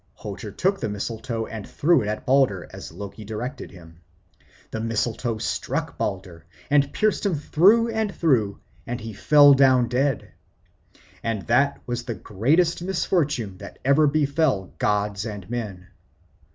Hother took the mistletoe and threw it at Balder, as Loki directed him. The mistletoe struck Balder and pierced him through and through, and he fell down dead. And that was the greatest misfortune that ever befell gods and men.